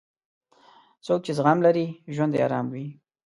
څوک چې زغم لري، ژوند یې ارام وي.